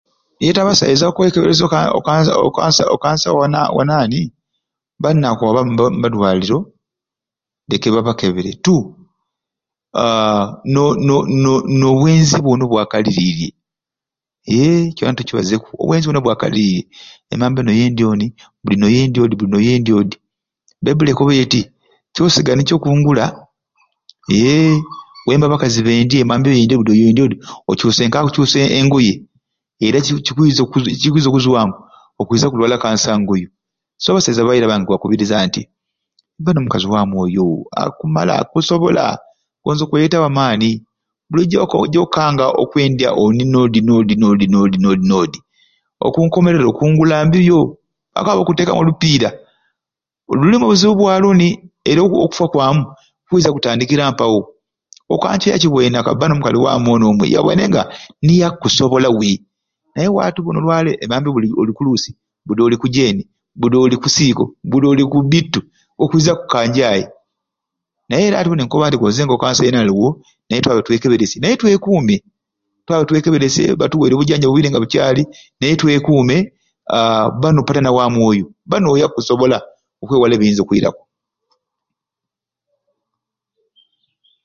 Yete abasaiza okwekeberesya okanso okanso okanso okansa wana wanani balina kwaba mumadwaliro leke babakebere ttu aa no no no n'obwenzi bwona obwakaliriirye ee kyona tukibazuku obwenzi bwona obwakaliriirye emambya n'oyendy'oni budi n'oyendya odi budi n'oyendya odi ebbaibuli ekoba eti kyosiga niky'okungula eee wembe abakazi bendye emambya oyendy'odi oyendy'odi okyuse ka kukyusa engoye era ekizwi okuzwa ekikwiza okuzwamu okwiiza kulwala kansa ngoyo so so abasaiza abairabange nkubakuburiza nti bba n'omukazi waamu oyo akkumala gwokusobola gonza okweyeta wa maani buli gyokanga okwendya oni n'odi n'odi n'odi n'odi n'odi n'odi okunkomerero okungula mbibyo bakwaba okuteekamu olupiira lulimu obuzibu bwalwo ni era okufa kwamu kukwiza kutandikira mpawo okanca eyakiboine nakoba nti bba n'omukali waamu omwe yaboine nga niye akakusobola we naye ati we olwaleero emambya oli ku Luusi budi oli ku Jane buddi oli ku siiko budi oli ku bbittu okwiiza kukanjai naye era ati buni nkukoba gonza nga okansa yeena aliwo naye twabe twekeberesye naye twekuume twabe twekeberesye batuwerye obujanjabi obwire nga bukyali naye twekuume aa bba n'oppatana waamu oyo bba n'yo akkusobola okwewala ebiyinza okwiiraku.